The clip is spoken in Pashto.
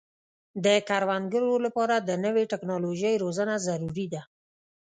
د کروندګرو لپاره د نوې ټکنالوژۍ روزنه ضروري ده.